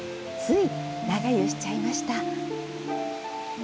つい長湯しちゃいました。